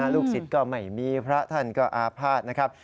ลูกศิษย์ก็ไม่มีพระท่านก็อาภาษณ์นะครับ